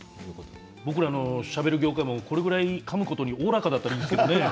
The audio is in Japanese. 僕らの業界もこれぐらいかむことにおおらかだったらいいんですけどね。